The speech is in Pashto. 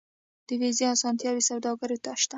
د ویزې اسانتیاوې سوداګرو ته شته